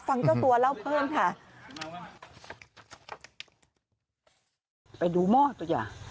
ฟังเจ้าตัวเล่าเพิ่มค่ะ